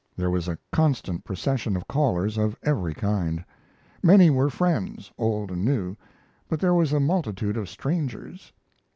There was a constant procession of callers of every kind. Many were friends, old and new, but there was a multitude of strangers.